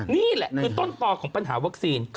นี่แหละคือต้นต่อของปัญหาวัคซีน